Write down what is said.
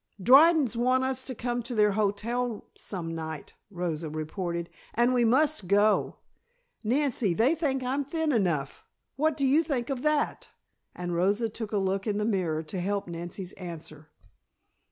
"Drydens want us to come to their hotel some night," Rosa reported, "and we must go. Nancy, they think I'm thin enough. What do you think of that?" and Rosa took a look in the mirror to help Nancy's answer.